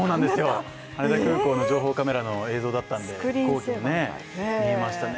羽田空港の情報カメラの映像だったので、飛行機が見えましたね。